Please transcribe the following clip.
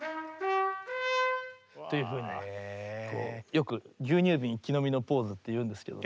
よく牛乳ビン一気飲みのポーズって言うんですけど。